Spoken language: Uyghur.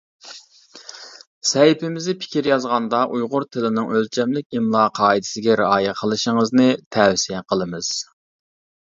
سەھىپىمىزدە پىكىر يازغاندا ئۇيغۇر تىلىنىڭ ئۆلچەملىك ئىملا قائىدىسىگە رىئايە قىلىشىڭىزنى تەۋسىيە قىلىمىز!